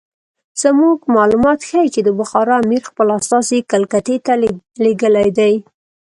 زموږ معلومات ښیي چې د بخارا امیر خپل استازي کلکتې ته لېږلي دي.